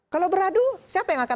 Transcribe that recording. kalau beradu siapa yang akan